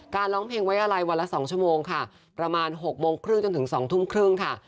ร้องเพลงไว้อะไรวันละ๒ชั่วโมงค่ะประมาณ๖โมงครึ่งจนถึง๒ทุ่มครึ่งค่ะ